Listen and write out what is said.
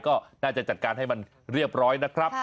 ก็น่าจะจัดการให้มันเรียบร้อยนะครับ